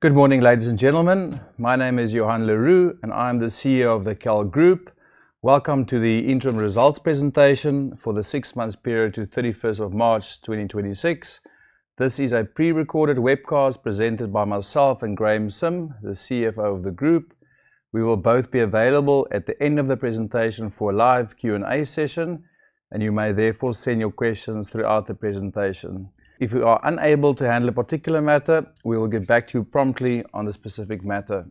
Good morning, ladies and gentlemen. My name is Johann le Roux, and I am the CEO of the KAL Group. Welcome to the interim results presentation for the six months period to 31st of March 2026. This is a pre-recorded webcast presented by myself and Graeme Sim, the CFO of the group. We will both be available at the end of the presentation for a live Q&A session. You may therefore send your questions throughout the presentation. If we are unable to handle a particular matter, we will get back to you promptly on the specific matter.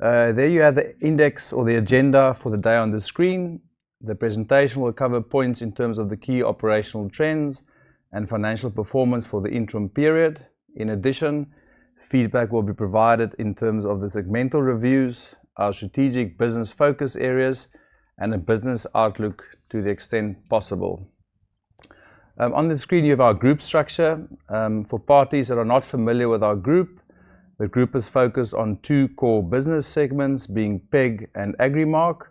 There you have the index or the agenda for the day on the screen. The presentation will cover points in terms of the key operational trends and financial performance for the interim period. In addition, feedback will be provided in terms of the segmental reviews, our strategic business focus areas, and a business outlook to the extent possible. On the screen you have our group structure, for parties that are not familiar with our group. The group is focused on two core business segments being PEG and Agrimark.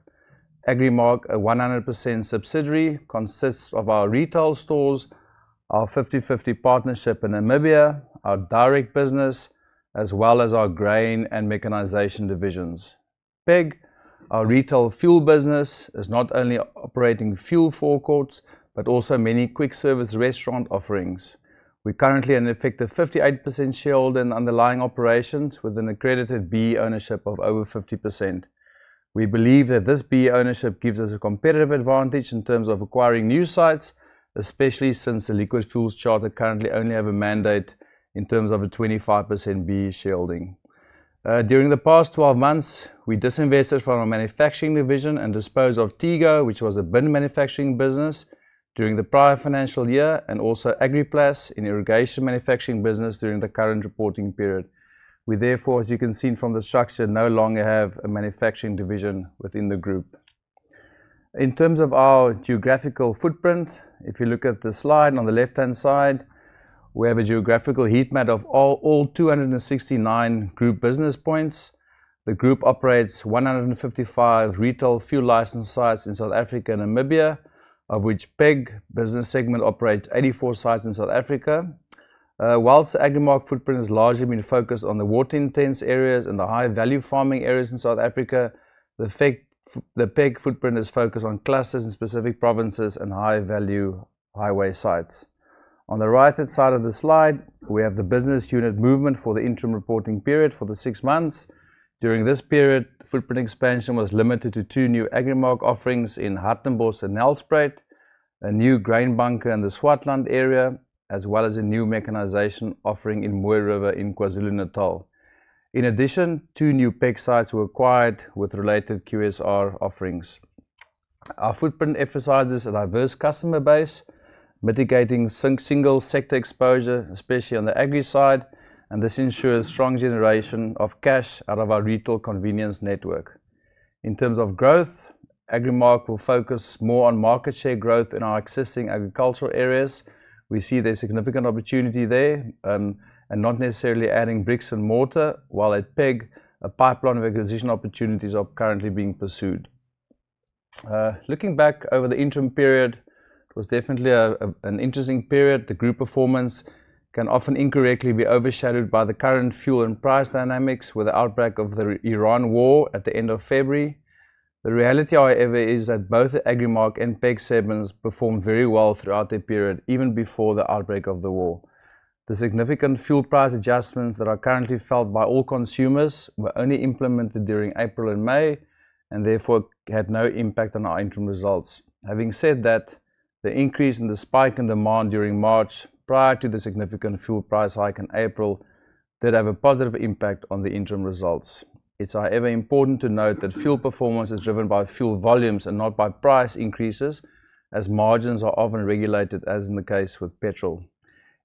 Agrimark, a 100% subsidiary, consists of our retail stores, our 50/50 partnership in Namibia, our direct business, as well as our grain and mechanization divisions. PEG, our retail fuel business, is not only operating fuel forecourts, but also many quick service restaurant offerings. We currently an effective 58% sharehold in underlying operations with an accredited BEE ownership of over 50%. We believe that this BEE ownership gives us a competitive advantage in terms of acquiring new sites, especially since the Liquid Fuels Charter currently only have a mandate in terms of a 25% BEE shareholding. During the past 12 months, we disinvested from our manufacturing division and disposed of TEGO, which was a bin manufacturing business during the prior financial year, and also Agriplas, an irrigation manufacturing business during the current reporting period. We therefore, as you can see from the structure, no longer have a manufacturing division within the Group. In terms of our geographical footprint, if you look at the slide on the left-hand side, we have a geographical heat map of all 269 Group business points. The group operates 155 retail fuel license sites in South Africa and Namibia, of which PEG business segment operates 84 sites in South Africa. Whilst the Agrimark footprint has largely been focused on the water intense areas and the high value farming areas in South Africa, the PEG footprint is focused on clusters in specific provinces and high-value highway sites. On the right-hand side of the slide, we have the business unit movement for the interim reporting period for the six months. During this period, footprint expansion was limited to two new Agrimark offerings in Hartbeespoort and Nelspruit, a new grain bunker in the Swartland area, as well as a new mechanization offering in Mooi River in KwaZulu-Natal. In addition, two new PEG sites were acquired with related QSR offerings. Our footprint emphasizes a diverse customer base, mitigating single sector exposure, especially on the agri side. This ensures strong generation of cash out of our retail convenience network. In terms of growth, Agrimark will focus more on market share growth in our existing agricultural areas. We see there's significant opportunity there, not necessarily adding bricks and mortar, while at PEG, a pipeline of acquisition opportunities are currently being pursued. Looking back over the interim period, it was definitely an interesting period. The group performance can often incorrectly be overshadowed by the current fuel and price dynamics with the outbreak of the Iran war at the end of February. The reality, however, is that both the Agrimark and PEG segments performed very well throughout the period, even before the outbreak of the war. The significant fuel price adjustments that are currently felt by all consumers were only implemented during April and May, and therefore had no impact on our interim results. Having said that, the increase in the spike in demand during March prior to the significant fuel price hike in April did have a positive impact on the interim results. It's, however, important to note that fuel performance is driven by fuel volumes and not by price increases, as margins are often regulated, as in the case with petrol.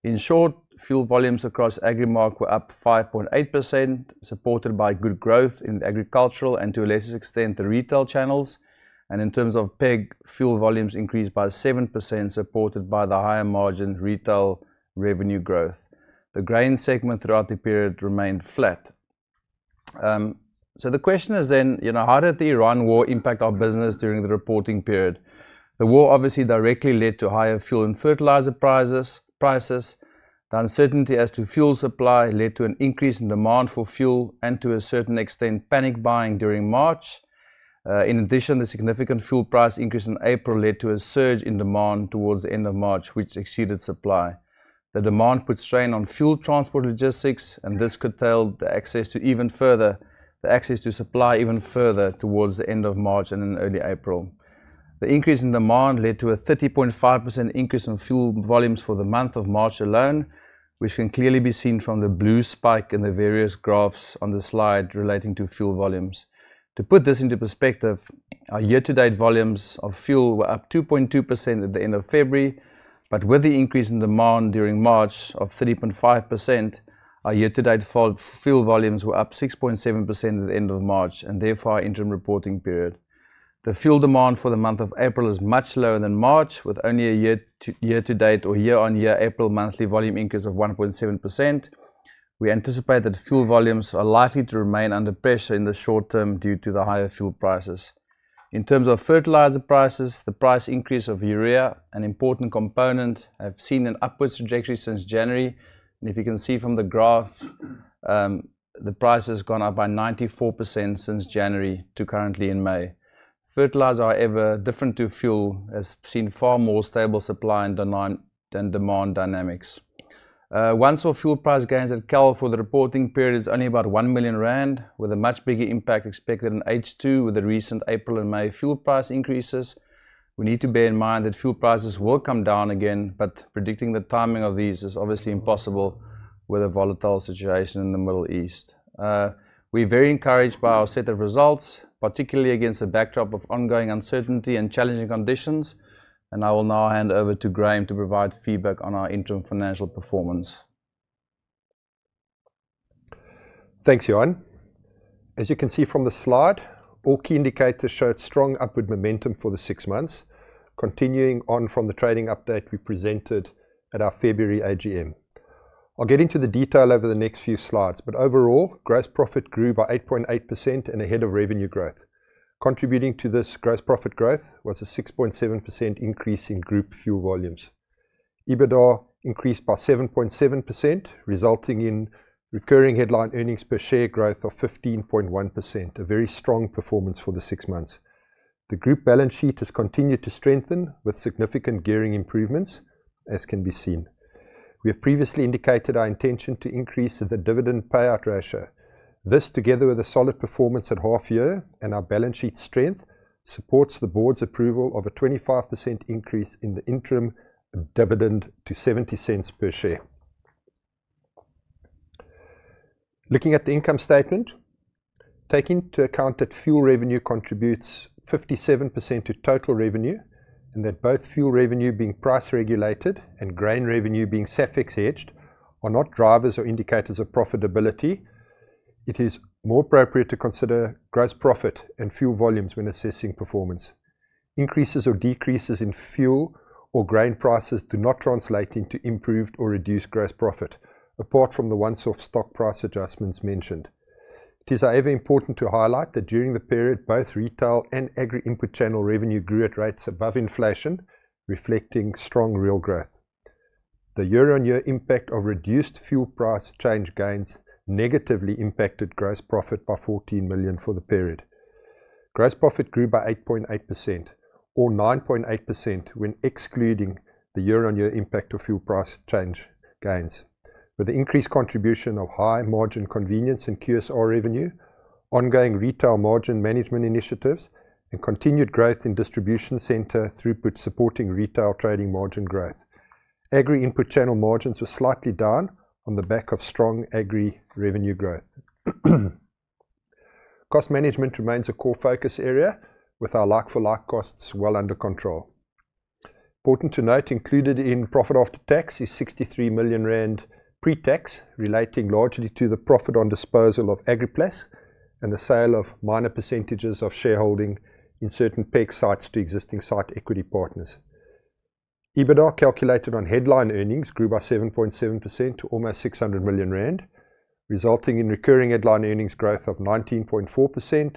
In short, fuel volumes across Agrimark were up 5.8%, supported by good growth in the agricultural and, to a lesser extent, the retail channels. In terms of PEG, fuel volumes increased by 7%, supported by the higher margin retail revenue growth. The grain segment throughout the period remained flat. The question is then, you know, how did the Iran war impact our business during the reporting period? The war obviously directly led to higher fuel and fertilizer prices. The uncertainty as to fuel supply led to an increase in demand for fuel and to a certain extent, panic buying during March. In addition, the significant fuel price increase in April led to a surge in demand towards the end of March, which exceeded supply. The demand put strain on fuel transport logistics, this curtailed the access to supply even further towards the end of March and in early April. The increase in demand led to a 30.5% increase in fuel volumes for the month of March alone, which can clearly be seen from the blue spike in the various graphs on the slide relating to fuel volumes. To put this into perspective, our year-to-date volumes of fuel were up 2.2% at the end of February, but with the increase in demand during March of 3.5%, our year-to-date fuel volumes were up 6.7% at the end of March, and therefore our interim reporting period. The fuel demand for the month of April is much lower than March, with only a year-to-date or year-on-year April monthly volume increase of 1.7%. We anticipate that fuel volumes are likely to remain under pressure in the short term due to the higher fuel prices. In terms of fertilizer prices, the price increase of urea, an important component, have seen an upwards trajectory since January. If you can see from the graph, the price has gone up by 94% since January to currently in May. Fertilizer, however, different to fuel, has seen far more stable supply and demand, and demand dynamics. Once-off fuel price gains at KAL Group, the reporting period is only about 1 million rand, with a much bigger impact expected in H2 with the recent April and May fuel price increases. We need to bear in mind that fuel prices will come down again, but predicting the timing of these is obviously impossible with a volatile situation in the Middle East. We're very encouraged by our set of results, particularly against the backdrop of ongoing uncertainty and challenging conditions. I will now hand over to Graeme to provide feedback on our interim financial performance. Thanks, Johann. As you can see from the slide, all key indicators showed strong upward momentum for the six months, continuing on from the trading update we presented at our February AGM. I'll get into the detail over the next few slides, but overall, gross profit grew by 8.8% and ahead of revenue growth. Contributing to this gross profit growth was a 6.7% increase in group fuel volumes. EBITDA increased by 7.7%, resulting in recurring headline earnings per share growth of 15.1%, a very strong performance for the six months. The group balance sheet has continued to strengthen with significant gearing improvements, as can be seen. We have previously indicated our intention to increase the dividend payout ratio. This, together with a solid performance at half year and our balance sheet strength, supports the board's approval of a 25% increase in the interim dividend to 0.70 per share. Looking at the income statement, take into account that fuel revenue contributes 57% to total revenue and that both fuel revenue being price regulated and grain revenue being SAFEX hedged are not drivers or indicators of profitability. It is more appropriate to consider gross profit and fuel volumes when assessing performance. Increases or decreases in fuel or grain prices do not translate into improved or reduced gross profit, apart from the once-off stock price adjustments mentioned. It is, however, important to highlight that during the period, both retail and agri input channel revenue grew at rates above inflation, reflecting strong real growth. The year-on-year impact of reduced fuel price change gains negatively impacted gross profit by 14 million for the period. Gross profit grew by 8.8% or 9.8% when excluding the year-on-year impact of fuel price change gains. With the increased contribution of high margin convenience and QSR revenue, ongoing retail margin management initiatives, and continued growth in distribution center throughput supporting retail trading margin growth. Agri input channel margins were slightly down on the back of strong agri revenue growth. Cost management remains a core focus area with our like-for-like costs well under control. Important to note, included in profit after tax is 63 million rand pre-tax relating largely to the profit on disposal of Agriplas and the sale of minor percentages of shareholding in certain PEG sites to existing site equity partners. EBITDA calculated on headline earnings grew by 7.7% to almost 600 million rand, resulting in recurring headline earnings growth of 19.4%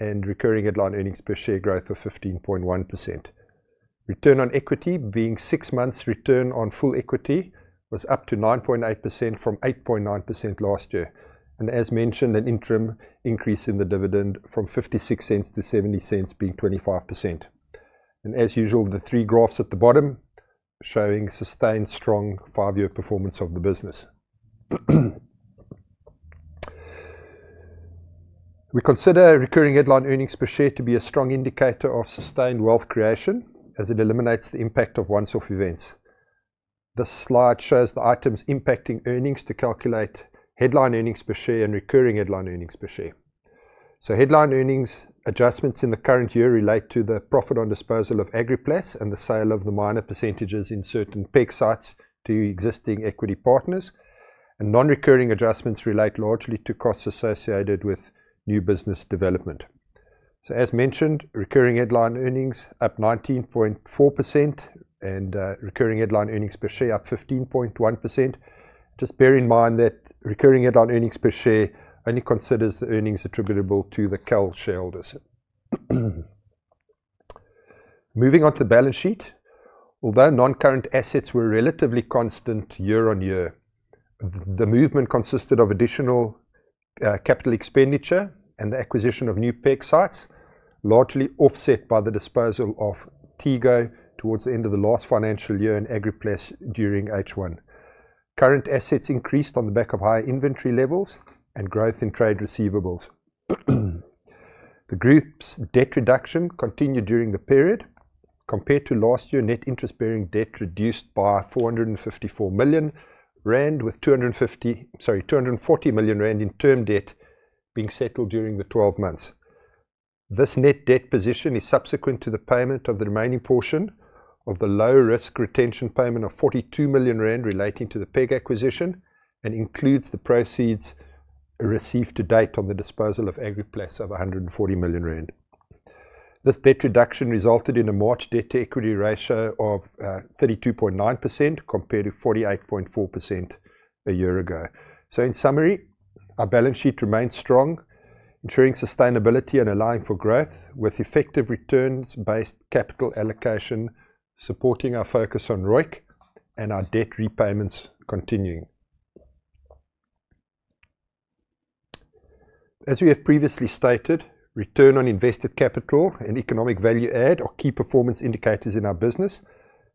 and recurring headline earnings per share growth of 15.1%. Return on equity being six months return on full equity was up to 9.8% from 8.9% last year. As mentioned, an interim increase in the dividend from 0.56-0.70 being 25%. As usual, the three graphs at the bottom showing sustained strong five-year performance of the business. We consider recurring headline earnings per share to be a strong indicator of sustained wealth creation as it eliminates the impact of once-off events. This slide shows the items impacting earnings to calculate headline earnings per share and recurring headline earnings per share. Headline earnings adjustments in the current year relate to the profit on disposal of Agriplas and the sale of the minor percentages in certain PEG sites to existing equity partners. Non-recurring adjustments relate largely to costs associated with new business development. As mentioned, recurring headline earnings up 19.4% and recurring headline earnings per share up 15.1%. Just bear in mind that recurring headline earnings per share only considers the earnings attributable to the KAL shareholders. Moving on to the balance sheet. Although non-current assets were relatively constant year on year, the movement consisted of additional CapEx and the acquisition of new PEG sites, largely offset by the disposal of TEGO towards the end of the last financial year and Agriplas during H1. Current assets increased on the back of high inventory levels and growth in trade receivables. The group's debt reduction continued during the period. Compared to last year, net interest-bearing debt reduced by 454 million rand with 240 million rand in term debt being settled during the 12 months. This net debt position is subsequent to the payment of the remaining portion of the low-risk retention payment of 42 million rand relating to the PEG acquisition and includes the proceeds received to date on the disposal of Agriplas of 140 million rand. This debt reduction resulted in a March debt to equity ratio of 32.9% compared to 48.4% a year ago. In summary, our balance sheet remains strong, ensuring sustainability and allowing for growth with effective returns-based capital allocation, supporting our focus on ROIC and our debt repayments continuing. As we have previously stated, return on invested capital and economic value add are key performance indicators in our business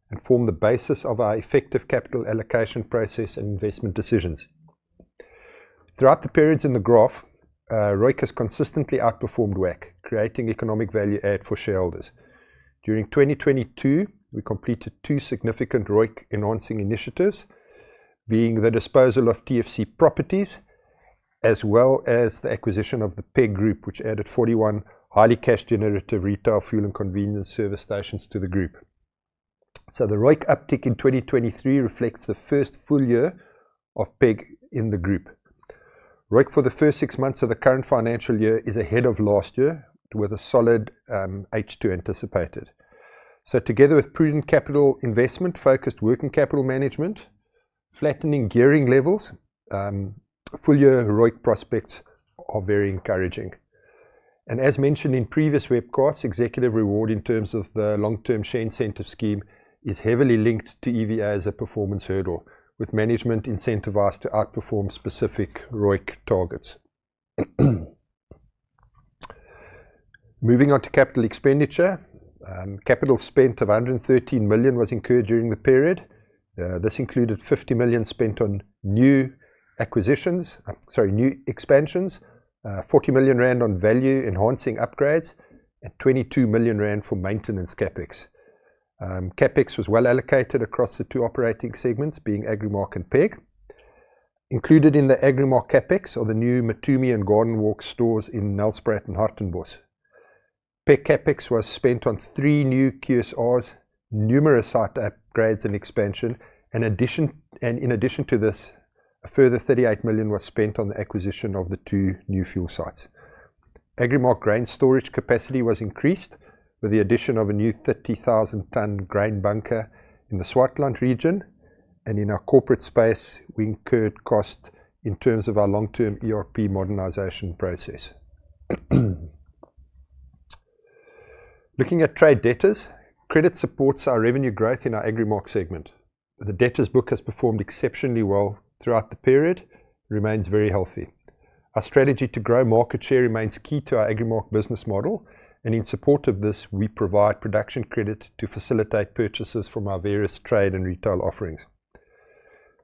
and form the basis of our effective capital allocation process and investment decisions. Throughout the periods in the graph, ROIC has consistently outperformed WACC, creating economic value add for shareholders. During 2022, we completed two significant ROIC-enhancing initiatives, being the disposal of TFC Properties, as well as the acquisition of the PEG Group, which added 41 highly cash generative retail fuel and convenience service stations to the group. The ROIC uptick in 2023 reflects the first full year of PEG in the group. ROIC for the first six months of the current financial year is ahead of last year with a solid H2 anticipated. Together with prudent capital investment, focused working capital management, flattening gearing levels, full-year ROIC prospects are very encouraging. As mentioned in previous webcasts, executive reward in terms of the long-term share incentive scheme is heavily linked to EVA as a performance hurdle, with management incentivized to outperform specific ROIC targets. Moving on to capital expenditure, capital spent of 113 million was incurred during the period. This included 50 million spent on new acquisitions, new expansions, 40 million rand on value-enhancing upgrades, and 22 million rand for maintenance CapEx. CapEx was well allocated across the two operating segments, being Agrimark and PEG. Included in the Agrimark CapEx are the new Matumi and Garden Walk stores in Nelspruit and Hartenbos. PEG CapEx was spent on three new QSRs, numerous site upgrades and expansion. In addition to this, a further 38 million was spent on the acquisition of the two new fuel sites. Agrimark grain storage capacity was increased with the addition of a new 30,000 ton grain bunker in the Swartland region. In our corporate space, we incurred cost in terms of our long-term ERP modernization process. Looking at trade debtors, credit supports our revenue growth in our Agrimark segment. The debtors book has performed exceptionally well throughout the period. It remains very healthy. Our strategy to grow market share remains key to our Agrimark business model, and in support of this, we provide production credit to facilitate purchases from our various trade and retail offerings.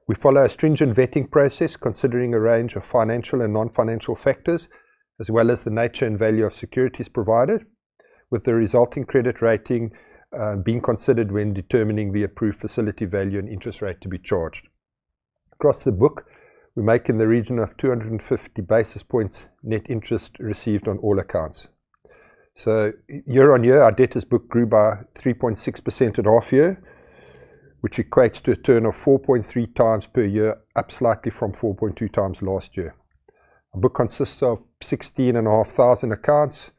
We follow a stringent vetting process considering a range of financial and non-financial factors, as well as the nature and value of securities provided, with the resulting credit rating being considered when determining the approved facility value and interest rate to be charged. Across the book, we make in the region of 250 basis points net interest received on all accounts. Year-on-year, our debtors book grew by 3.6% at half year, which equates to a turn of 4.3x per year, up slightly from 4.2x last year. Our book consists of 16,500 accounts,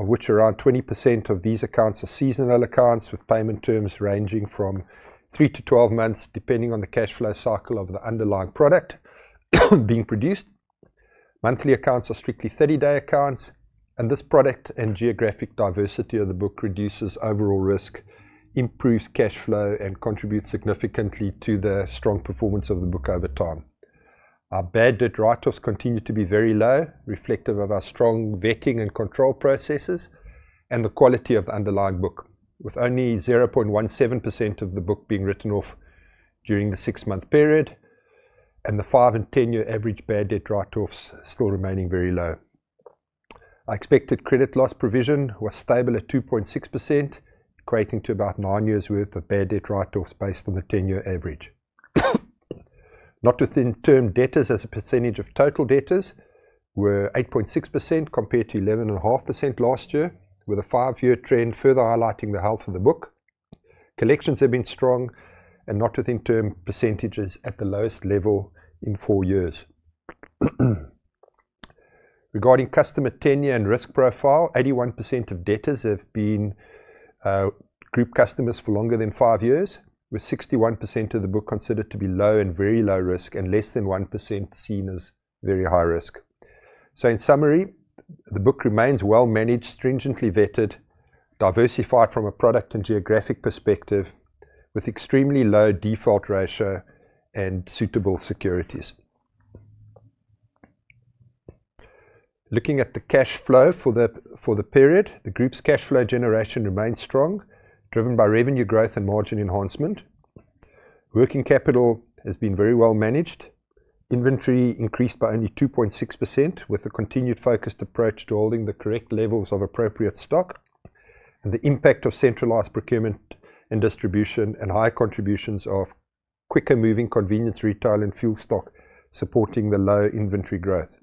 of which around 20% of these accounts are seasonal accounts, with payment terms ranging from 3-12 months, depending on the cash flow cycle of the underlying product being produced. Monthly accounts are strictly 30-day accounts, this product and geographic diversity of the book reduces overall risk, improves cash flow, and contributes significantly to the strong performance of the book over time. Our bad debt write-offs continue to be very low, reflective of our strong vetting and control processes and the quality of underlying book, with only 0.17% of the book being written off during the six-month period, and the five and 10-year average bad debt write-offs still remaining very low. Our expected credit loss provision was stable at 2.6%, equating to about nine years' worth of bad debt write-offs based on the 10-year average. Not within term debtors as a percentage of total debtors were 8.6% compared to 11.5% last year, with a five-year trend further highlighting the health of the book. Collections have been strong and not within term percentages at the lowest level in four years. Regarding customer tenure and risk profile, 81% of debtors have been group customers for longer than five years, with 61% of the book considered to be low and very low risk and less than 1% seen as very high risk. In summary, the book remains well managed, stringently vetted, diversified from a product and geographic perspective, with extremely low default ratio and suitable securities. Looking at the cash flow for the, for the period, the group's cash flow generation remains strong, driven by revenue growth and margin enhancement. Working capital has been very well managed. Inventory increased by only 2.6%, with a continued focused approach to holding the correct levels of appropriate stock. The impact of centralized procurement and distribution and high contributions of quicker-moving convenience retail and fuel stock supporting the low inventory growth.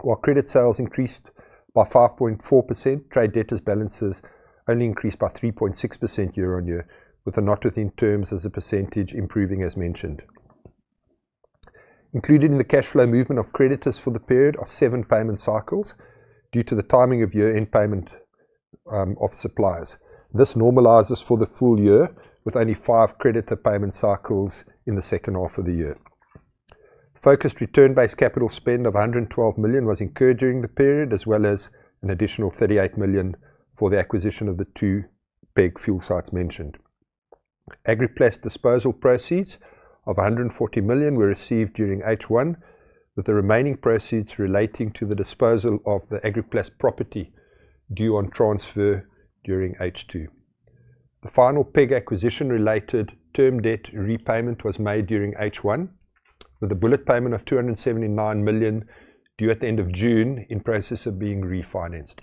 While credit sales increased by 5.4%, trade debtors balances only increased by 3.6% year on year, with the not within terms as a percentage improving as mentioned. Included in the cash flow movement of creditors for the period are seven payment cycles due to the timing of year-end payment of suppliers. This normalizes for the full year, with only five creditor payment cycles in the second half of the year. Focused return-based capital spend of 112 million was incurred during the period, as well as an additional 38 million for the acquisition of the two big fuel sites mentioned. Agriplas disposal proceeds of 140 million were received during H1, with the remaining proceeds relating to the disposal of the Agriplas property due on transfer during H2. The final PEG acquisition-related term debt repayment was made during H1, with a bullet payment of 279 million due at the end of June in process of being refinanced.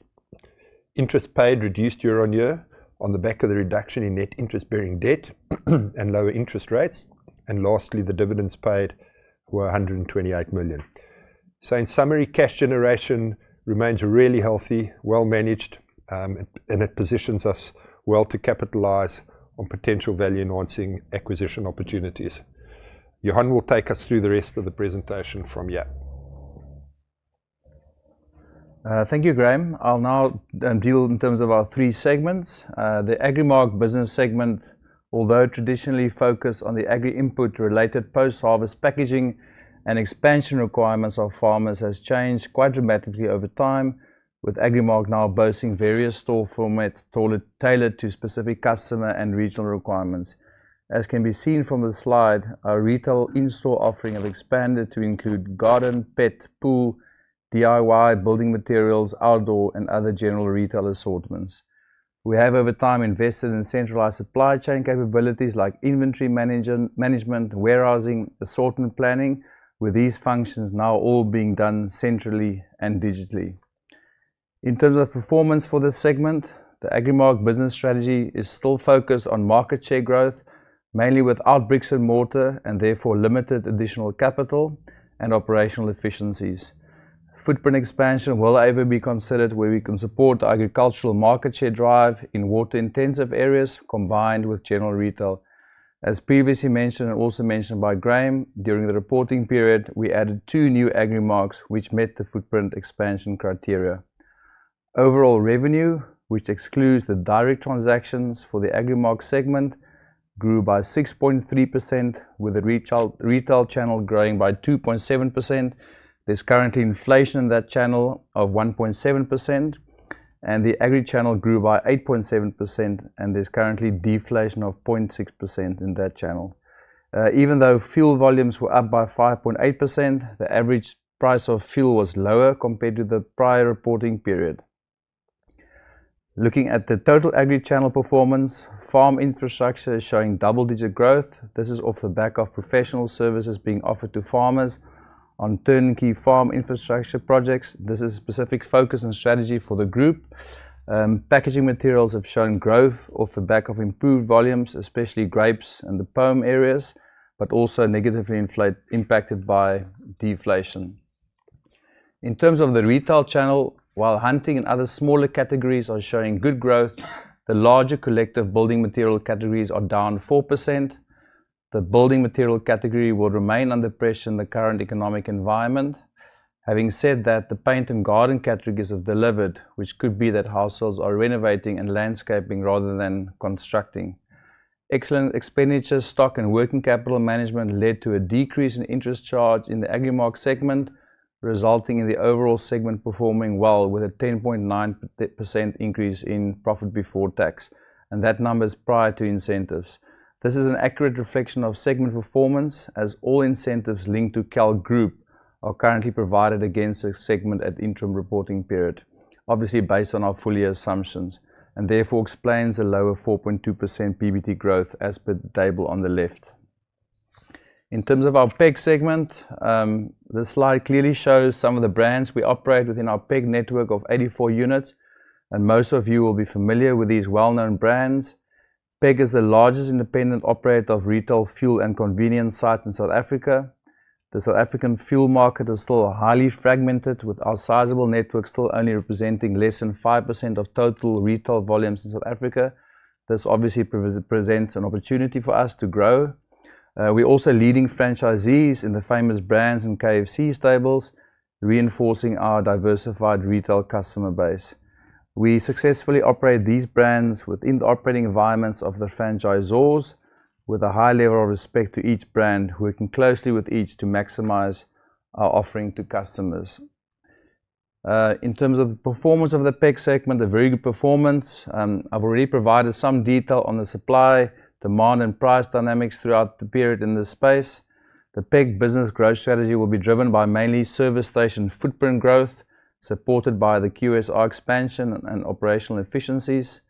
Interest paid reduced year-on-year on the back of the reduction in net interest-bearing debt and lower interest rates. Lastly, the dividends paid were 128 million. In summary, cash generation remains really healthy, well managed, and it positions us well to capitalize on potential value-enhancing acquisition opportunities. Johann will take us through the rest of the presentation from here. Thank you, Graeme. I'll now deal in terms of our three segments. The Agrimark business segment, although traditionally focused on the agri input related post-harvest packaging and expansion requirements of farmers, has changed quite dramatically over time, with Agrimark now boasting various store formats tailored to specific customer and regional requirements. As can be seen from the slide, our retail in-store offering have expanded to include garden, pet, pool, DIY, building materials, outdoor and other general retail assortments. We have over time invested in centralized supply chain capabilities like inventory management, warehousing, assortment planning, with these functions now all being done centrally and digitally. In terms of performance for this segment, the Agrimark business strategy is still focused on market share growth, mainly without bricks and mortar and therefore limited additional capital and operational efficiencies. Footprint expansion will however be considered where we can support agricultural market share drive in water-intensive areas combined with general retail. As previously mentioned, and also mentioned by Graeme Sim, during the reporting period, we added two new Agrimarks which met the footprint expansion criteria. Overall revenue, which excludes the direct transactions for the Agrimark segment, grew by 6.3%, with the retail channel growing by 2.7%. There's currently inflation in that channel of 1.7%, and the agri channel grew by 8.7%, and there's currently deflation of 0.6% in that channel. Even though fuel volumes were up by 5.8%, the average price of fuel was lower compared to the prior reporting period. Looking at the total agri channel performance, farm infrastructure is showing double-digit growth. This is off the back of professional services being offered to farmers on turnkey farm infrastructure projects. This is a specific focus and strategy for the group. Packaging materials have shown growth off the back of improved volumes, especially grapes and the pome areas, but also negatively impacted by deflation. In terms of the retail channel, while hunting and other smaller categories are showing good growth, the larger collective building material categories are down 4%. The building material category will remain under pressure in the current economic environment. Having said that, the paint and garden categories have delivered, which could be that households are renovating and landscaping rather than constructing. Excellent expenditure, stock and working capital management led to a decrease in interest charge in the Agrimark segment, resulting in the overall segment performing well with a 10.9% increase in profit before tax, and that number is prior to incentives. This is an accurate reflection of segment performance, as all incentives linked to KAL Group are currently provided against the segment at the interim reporting period, obviously based on our full year assumptions. Therefore, explains the lower 4.2% PBT growth as per the table on the left. In terms of our PEG segment, this slide clearly shows some of the brands we operate within our PEG network of 84 units. Most of you will be familiar with these well-known brands. PEG is the largest independent operator of retail fuel and convenience sites in South Africa. The South African fuel market is still highly fragmented, with our sizable network still only representing less than 5% of total retail volumes in South Africa. This obviously presents an opportunity for us to grow. We're also leading franchisees in the Famous Brands and KFC stables, reinforcing our diversified retail customer base. We successfully operate these brands within the operating environments of the franchisors with a high level of respect to each brand, working closely with each to maximize our offering to customers. In terms of the performance of the PEG segment, a very good performance. I've already provided some detail on the supply, demand and price dynamics throughout the period in this space. The PEG business growth strategy will be driven by mainly service station footprint growth, supported by the QSR expansion and operational efficiencies.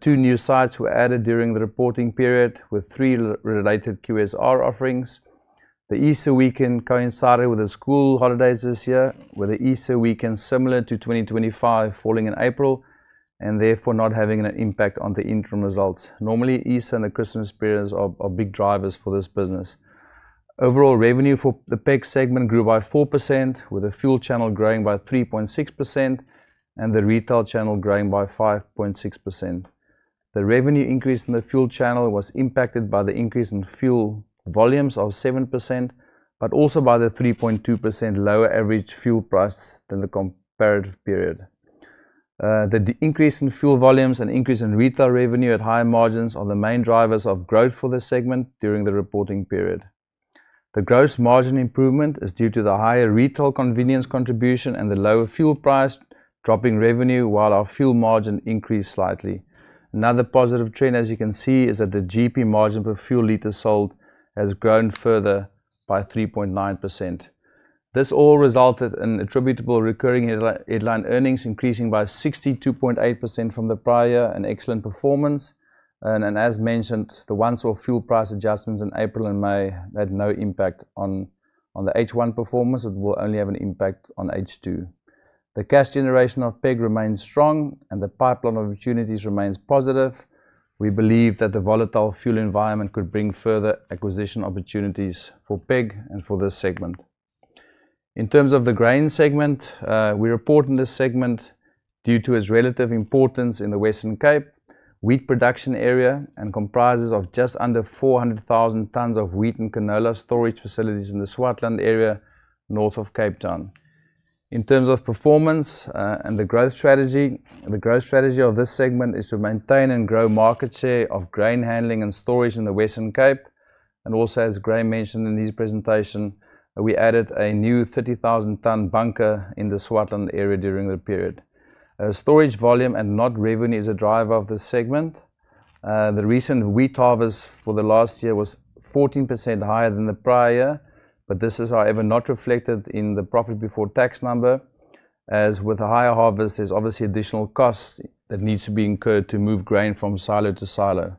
Two new sites were added during the reporting period, with three related QSR offerings. The Easter weekend coincided with the school holidays this year, with the Easter weekend similar to 2025 falling in April and therefore not having an impact on the interim results. Normally, Easter and the Christmas periods are big drivers for this business. Overall revenue for the PEG segment grew by 4%, with the fuel channel growing by 3.6% and the retail channel growing by 5.6%. The revenue increase in the fuel channel was impacted by the increase in fuel volumes of 7%, but also by the 3.2% lower average fuel price than the comparative period. The increase in fuel volumes and increase in retail revenue at higher margins are the main drivers of growth for this segment during the reporting period. The gross margin improvement is due to the higher retail convenience contribution and the lower fuel price dropping revenue while our fuel margin increased slightly. Another positive trend, as you can see, is that the GP margin per fuel liter sold has grown further by 3.9%. This all resulted in attributable recurring headline earnings increasing by 62.8% from the prior, an excellent performance. As mentioned, the once-off fuel price adjustments in April and May had no impact on the H1 performance. It will only have an impact on H2. The cash generation of PEG remains strong, and the pipeline of opportunities remains positive. We believe that the volatile fuel environment could bring further acquisition opportunities for PEG and for this segment. In terms of the grain segment, we report in this segment due to its relative importance in the Western Cape wheat production area and comprises of just under 400,000 tons of wheat and canola storage facilities in the Swartland area north of Cape Town. In terms of performance, and the growth strategy, the growth strategy of this segment is to maintain and grow market share of grain handling and storage in the Western Cape. Also, as Graeme mentioned in his presentation, we added a new 30,000-ton bunker in the Swartland area during the period. Storage volume and not revenue is a driver of this segment. The recent wheat harvest for the last year was 14% higher than the prior, but this is, however, not reflected in the profit before tax number. As with a higher harvest, there's obviously additional costs that needs to be incurred to move grain from silo to silo.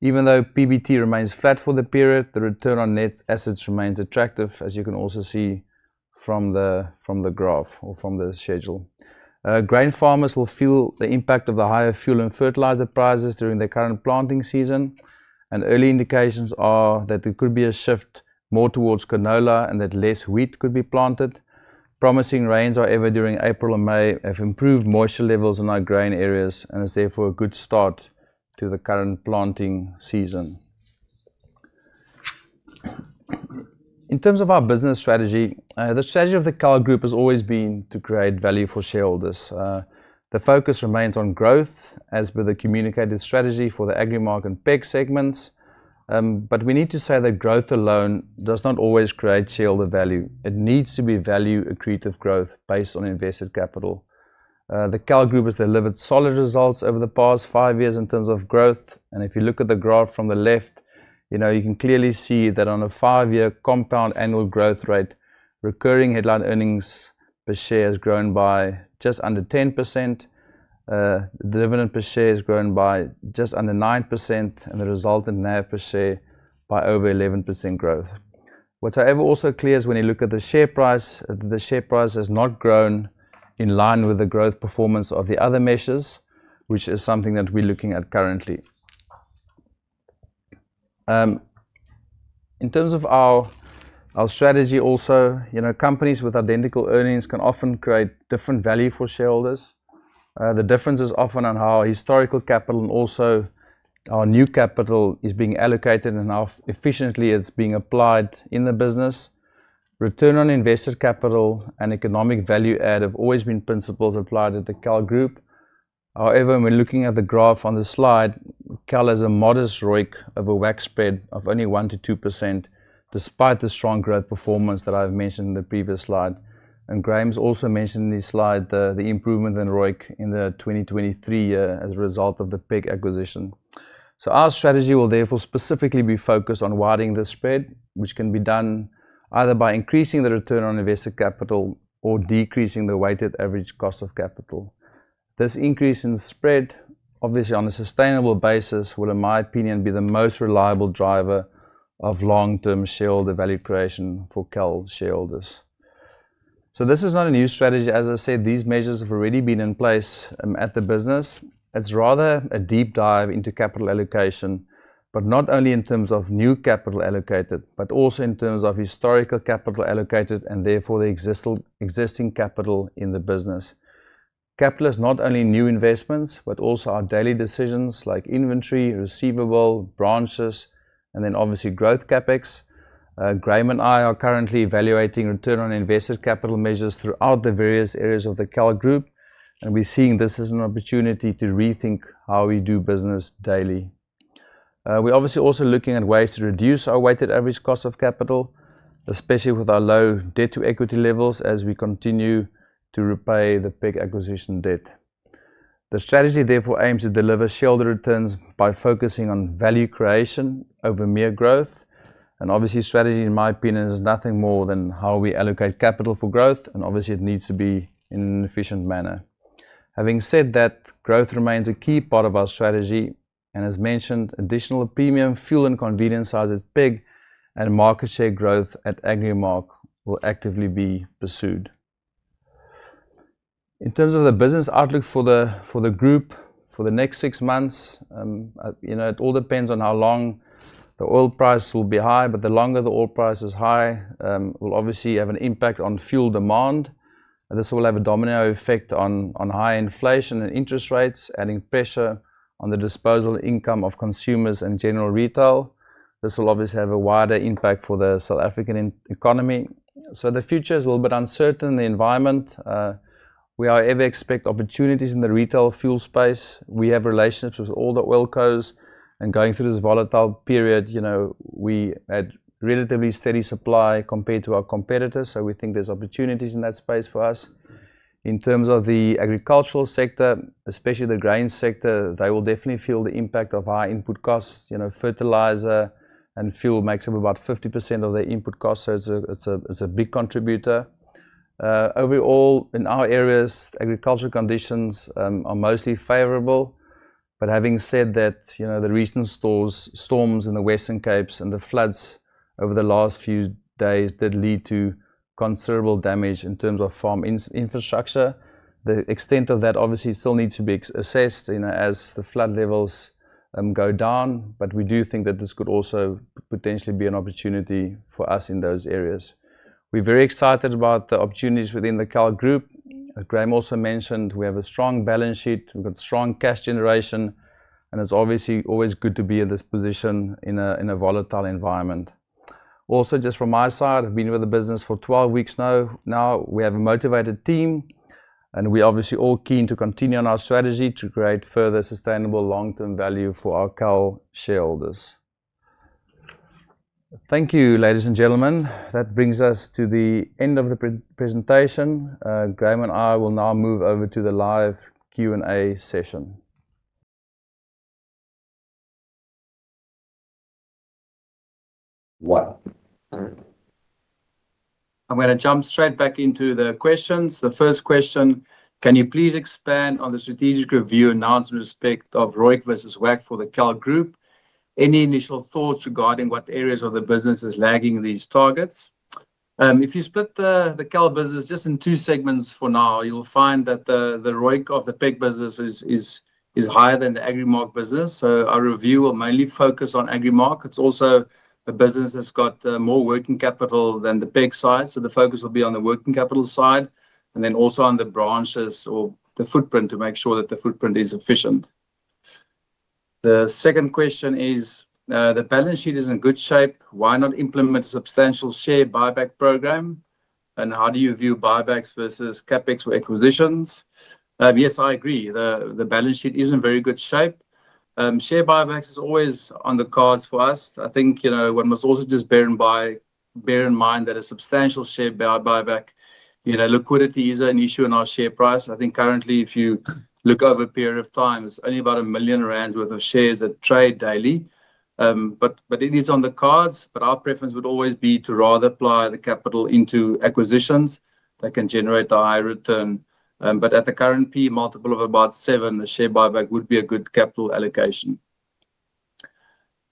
Even though PBT remains flat for the period, the return on net assets remains attractive, as you can also see from the graph or from the schedule. Grain farmers will feel the impact of the higher fuel and fertilizer prices during the current planting season, early indications are that there could be a shift more towards canola and that less wheat could be planted. Promising rains, however, during April and May have improved moisture levels in our grain areas and is therefore a good start to the current planting season. In terms of our business strategy, the strategy of the KAL Group has always been to create value for shareholders. The focus remains on growth, as per the communicated strategy for the Agrimark and PEG segments. We need to say that growth alone does not always create shareholder value. It needs to be value-accretive growth based on invested capital. The KAL Group has delivered solid results over the past five years in terms of growth. If you look at the graph from the left, you know, you can clearly see that on a five-year compound annual growth rate, recurring headline earnings per share has grown by just under 10%. Dividend per share has grown by just under 9%, the result in NAV per share by over 11% growth. What's however also clear is when you look at the share price, the share price has not grown in line with the growth performance of the other measures, which is something that we're looking at currently. In terms of our strategy also, you know, companies with identical earnings can often create different value for shareholders. The difference is often on how historical capital and also our new capital is being allocated and how efficiently it's being applied in the business. Return on invested capital and economic value add have always been principles applied at the KAL Group. However, when we're looking at the graph on the slide, KAL has a modest ROIC over WACC spread of only 1%-2% despite the strong growth performance that I've mentioned in the previous slide. Graeme's also mentioned in this slide the improvement in ROIC in the 2023 year as a result of the PEG acquisition. Our strategy will therefore specifically be focused on widening the spread, which can be done either by increasing the return on invested capital or decreasing the weighted average cost of capital. This increase in spread, obviously on a sustainable basis, will, in my opinion, be the most reliable driver of long-term shareholder value creation for KAL shareholders. This is not a new strategy. As I said, these measures have already been in place at the business. It's rather a deep dive into capital allocation, but not only in terms of new capital allocated, but also in terms of historical capital allocated, and therefore, the existing capital in the business. Capital is not only new investments, but also our daily decisions like inventory, receivable, branches, and then obviously growth CapEx. Graeme Sim and I are currently evaluating return on invested capital measures throughout the various areas of the KAL Group, and we're seeing this as an opportunity to rethink how we do business daily. We're obviously also looking at ways to reduce our weighted average cost of capital, especially with our low debt-to-equity levels as we continue to repay the PEG acquisition debt. The strategy therefore aims to deliver shareholder returns by focusing on value creation over mere growth. Obviously, strategy, in my opinion, is nothing more than how we allocate capital for growth, and obviously, it needs to be in an efficient manner. Having said that, growth remains a key part of our strategy, and as mentioned, additional premium fuel and convenience charges at PEG and market share growth at Agrimark will actively be pursued. In terms of the business outlook for the group for the next six months, you know, it all depends on how long the oil price will be high. The longer the oil price is high, will obviously have an impact on fuel demand. This will have a domino effect on high inflation and interest rates, adding pressure on the disposable income of consumers and general retail. This will obviously have a wider impact for the South African economy. The future is a little bit uncertain, the environment. We however expect opportunities in the retail fuel space. We have relationships with all the oil cos, going through this volatile period, you know, we had relatively steady supply compared to our competitors. We think there's opportunities in that space for us. In terms of the agricultural sector, especially the grain sector, they will definitely feel the impact of high input costs. You know, fertilizer and fuel makes up about 50% of their input costs, it's a big contributor. Overall, in our areas, agricultural conditions are mostly favorable. Having said that, you know, the recent stores, storms in the Western Cape and the floods over the last few days did lead to considerable damage in terms of farm infrastructure. The extent of that obviously still needs to be assessed, you know, as the flood levels go down. We do think that this could also potentially be an opportunity for us in those areas. We're very excited about the opportunities within the KAL Group. As Graeme also mentioned, we have a strong balance sheet, we've got strong cash generation, and it's obviously always good to be in this position in a, in a volatile environment. Just from my side, I've been with the business for 12 weeks now. We have a motivated team, and we're obviously all keen to continue on our strategy to create further sustainable long-term value for our KAL shareholders. Thank you, ladies and gentlemen. That brings us to the end of the pre-presentation. Graeme and I will now move over to the live Q&A session. One. I'm gonna jump straight back into the questions. The first question, can you please expand on the strategic review announcement with respect of ROIC versus WACC for the KAL Group? Any initial thoughts regarding what areas of the business is lagging these targets? If you split the KAL business just in two segments for now, you'll find that the ROIC of the PEG business is higher than the Agrimark business. Our review will mainly focus on Agrimark. It's also a business that's got more working capital than the PEG side, so the focus will be on the working capital side, and then also on the branches or the footprint to make sure that the footprint is efficient. The second question is, the balance sheet is in good shape. Why not implement a substantial share buyback program? How do you view buybacks versus CapEx or acquisitions? Yes, I agree. The balance sheet is in very good shape. Share buybacks is always on the cards for us. One must also just bear in mind that a substantial share buyback, liquidity is an issue in our share price. If you look over a period of time, there's only about 1 million rand worth of shares that trade daily. But it is on the cards, but our preference would always be to rather apply the capital into acquisitions that can generate a higher return. But at the current P:E multiple of about 7x, a share buyback would be a good capital allocation.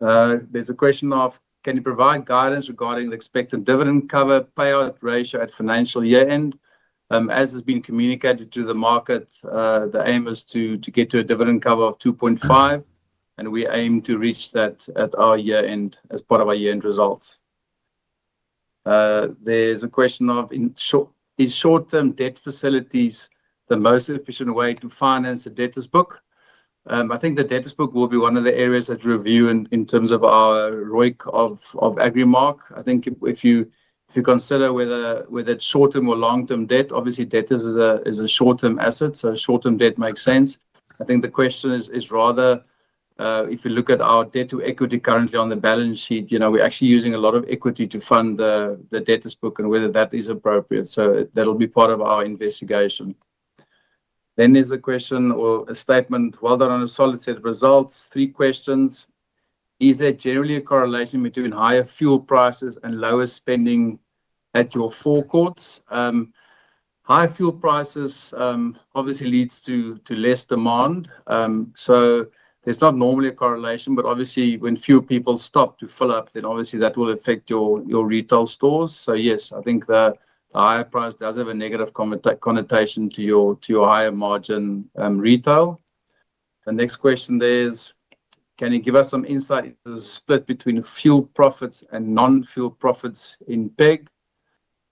There's a question of, can you provide guidance regarding the expected dividend cover payout ratio at financial year-end? As has been communicated to the market, the aim is to get to a dividend cover of 2.5x, and we aim to reach that at our year-end as part of our year-end results. There's a question of is short-term debt facilities the most efficient way to finance the debtors book? I think the debtors book will be one of the areas that review in terms of our ROIC of Agrimark. I think if you consider whether it's short-term or long-term debt, obviously debtors is a short-term asset, so short-term debt makes sense. I think the question is rather, if you look at our debt to equity currently on the balance sheet, you know, we're actually using a lot of equity to fund the debtors book and whether that is appropriate. That'll be part of our investigation. There's a question or a statement. Well done on a solid set of results. Three questions. Is there generally a correlation between higher fuel prices and lower spending at your forecourts? High fuel prices obviously leads to less demand. There's not normally a correlation, but obviously when fuel people stop to fill up, obviously that will affect your retail stores. Yes, I think the higher price does have a negative connotation to your higher margin retail. The next question there is, can you give us some insight into the split between fuel profits and non-fuel profits in PEG,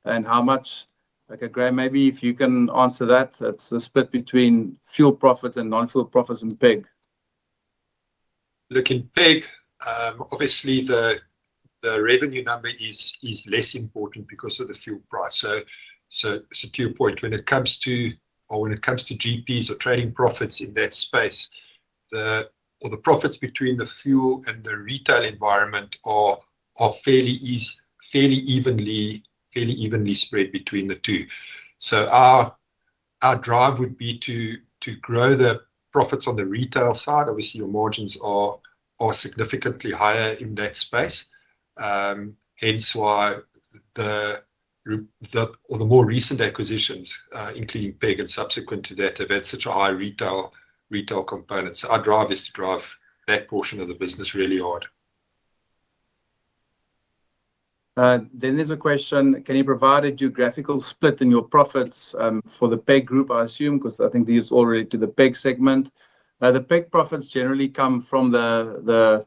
and how much? Okay, Graeme, maybe if you can answer that. It's the split between fuel profits and non-fuel profits in PEG. Look, in PEG, obviously the revenue number is less important because of the fuel price. To your point, when it comes to GPs or trading profits in that space, the profits between the fuel and the retail environment are fairly evenly spread between the two. Our drive would be to grow the profits on the retail side. Obviously, your margins are significantly higher in that space. Hence why the more recent acquisitions, including PEG and subsequent to that have had such a high retail component. Our drive is to drive that portion of the business really hard. Then there's a question. Can you provide a geographical split in your profits for the PEG Group, I assume, because I think these all relate to the PEG segment. The PEG profits generally come from the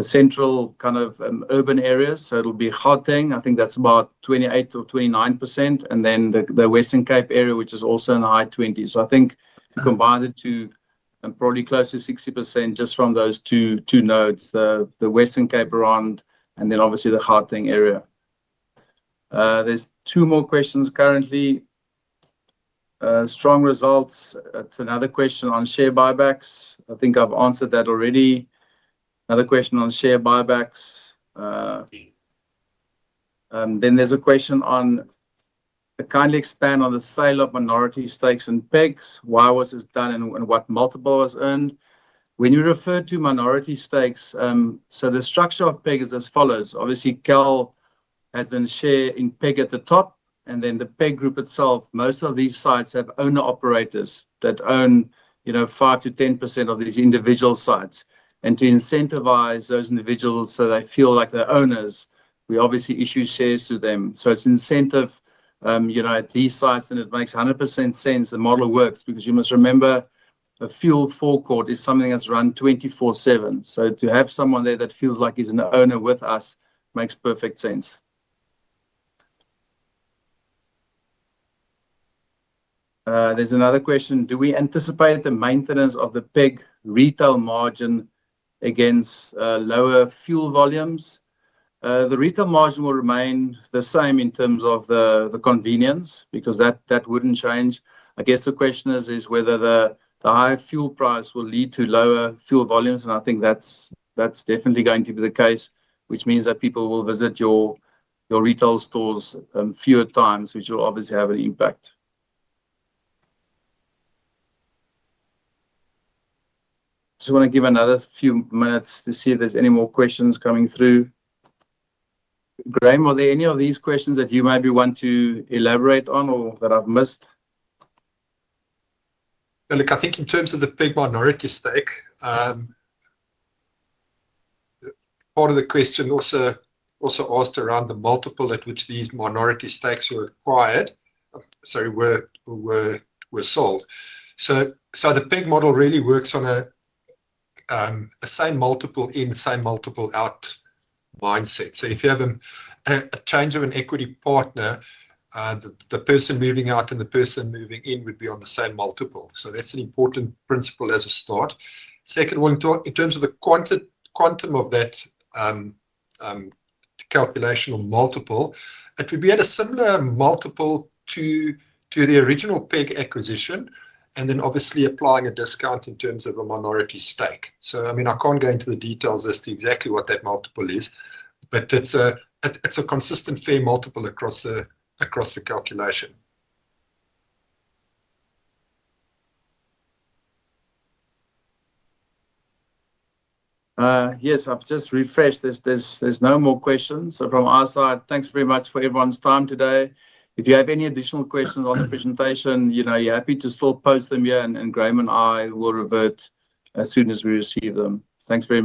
central kind of urban areas. It'll be Gauteng, I think that's about 28% or 29%, and then the Western Cape area, which is also in the high 20s. I think if you combine the two, probably close to 60% just from those two nodes, the Western Cape around, and then obviously the Gauteng area. There's two more questions currently. Strong results, that's another question on share buybacks. I think I've answered that already. Another question on share buybacks. Then there's a question on kindly expand on the sale of minority stakes in PEGs. Why was this done, and what multiple was earned? When you refer to minority stakes, the structure of PEG is as follows: obviously, KAL has the share in PEG at the top, and then the PEG Group itself, most of these sites have owner-operators that own, you know, 5%-10% of these individual sites. To incentivize those individuals so they feel like they're owners, we obviously issue shares to them. It's incentive, you know, at these sites, and it makes 100% sense. The model works because you must remember, a fuel forecourt is something that's run 24/7. To have someone there that feels like he's an owner with us makes perfect sense. There's another question. Do we anticipate the maintenance of the PEG retail margin against lower fuel volumes? The retail margin will remain the same in terms of the convenience because that wouldn't change. I guess the question is whether the high fuel price will lead to lower fuel volumes, and I think that's definitely going to be the case, which means that people will visit your retail stores, fewer times, which will obviously have an impact. Just wanna give another few minutes to see if there's any more questions coming through. Graeme, are there any of these questions that you maybe want to elaborate on or that I've missed? Well, look, I think in terms of the PEG minority stake, part of the question also asked around the multiple at which these minority stakes were acquired, were sold. The PEG model really works on a same multiple in, same multiple out mindset. If you have a change of an equity partner, the person moving out and the person moving in would be on the same multiple. That's an important principle as a start. Second one, in terms of the quantum of that calculation or multiple, it would be at a similar multiple to the original PEG acquisition, and then obviously applying a discount in terms of a minority stake. I mean, I can't go into the details as to exactly what that multiple is, but it's a consistent fair multiple across the calculation. Yes, I've just refreshed. There's no more questions. From our side, thanks very much for everyone's time today. If you have any additional questions on the presentation, you know, you're happy to still post them here, and Graeme and I will revert as soon as we receive them. Thanks very much